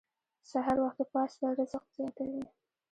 سحر وختي پاڅیدل رزق زیاتوي.